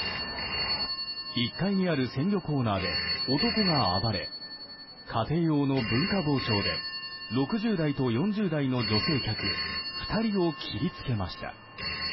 １階にある鮮魚コーナーで男が暴れ家庭用の文化包丁で６０代と４０代の女性客２人を切りつけました。